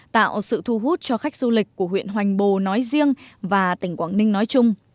tạo sự thu hút cho khách du lịch của huyện hoành bồ nói riêng và tỉnh quảng ninh nói chung